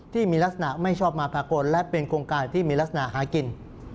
ที่มีลักษณะไม่ชอบมาพากลและเป็นโครงการที่มีลักษณะหากิน